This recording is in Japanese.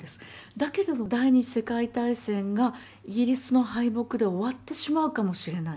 だけども第二次世界大戦がイギリスの敗北で終わってしまうかもしれない。